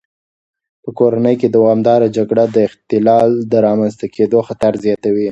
په کورنۍ کې دوامداره جګړه د اختلال د رامنځته کېدو خطر زیاتوي.